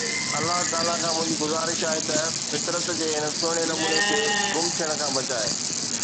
الله تعاليٰ کان منهنجي گذارش آهي ته فطرت جي هن سهڻي نموني کي گم ٿيڻ کان بچائي